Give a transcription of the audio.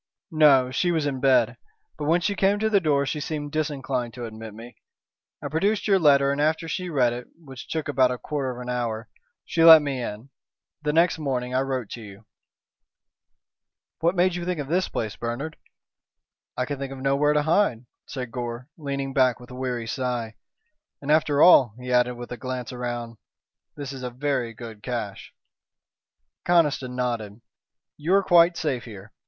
"No. She was in bed. But when she came to the door she seemed disinclined to admit me. I produced your letter, and after she read it, which took about a quarter of an hour, she let me in. Then next morning I wrote to you." "What made you think of this place, Bernard?" "I could think of nowhere to hide," said Gore, leaning back with a weary sigh. "And after all," he added, with a glance round, "this is a very good caché." Conniston nodded. "You are quite safe here.